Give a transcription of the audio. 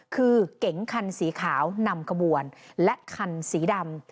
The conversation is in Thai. คือเก๋งคันสีขาวนำขบวนและคันสีดำ